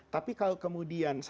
tapi kalau kemudian